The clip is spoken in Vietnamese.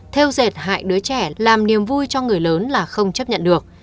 theo dệt hại đứa trẻ làm niềm vui cho người lớn là không chấp nhận được